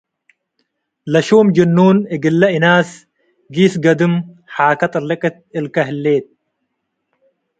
ለሹም ጅኑን እግለ እናስ፡ “ጊስ ገድም ሓከ ጥልቅት እልከ ህሌት።